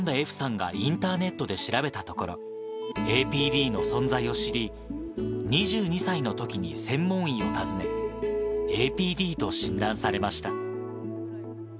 歩さんがインターネットで調べたところ、ＡＰＤの存在を知り、２２歳のときに専門医を訪ね、ＡＰＤと診断されました。